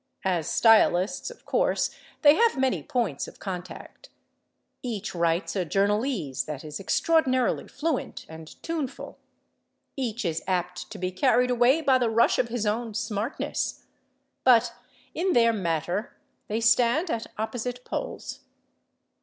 As stylists, of course, they have many points of contact. Each writes a journalese that is extraordinarily fluent and tuneful; each is apt to be carried away by the rush of his own smartness. But in their matter they stand at opposite poles.